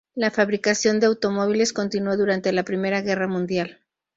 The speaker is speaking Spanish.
La fabricación de automóviles continuó durante la Primera Guerra Mundial.